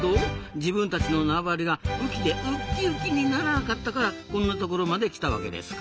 自分たちの縄張りが雨季でウッキウキにならなかったからこんなところまで来たわけですか。